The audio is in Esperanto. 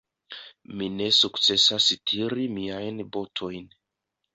Mi ne sukcesas tiri miajn botojn.